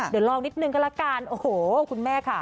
เดี๋ยวลองนิดนึงก็ละกันโอ้โหคุณแม่ค่ะ